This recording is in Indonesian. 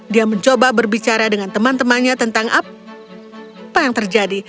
dia mencoba berbicara dengan teman temannya tentang apa yang terjadi